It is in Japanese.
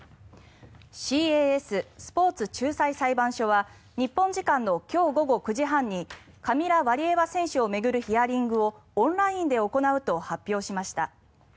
ＣＡＳ・スポーツ仲裁裁判所は日本時間の今日午後９時半にカミラ・ワリエワ選手を巡るヒアリングをオンラインで行うと発表しました。